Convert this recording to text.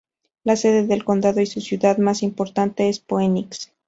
La sede del condado y su ciudad más importante es Phoenix.